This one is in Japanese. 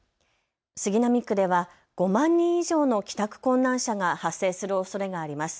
杉並区では５万人以上の帰宅困難者が発生するおそれがあります。